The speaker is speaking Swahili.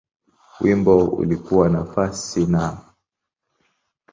Wimbo ulikuwa nafasi Na.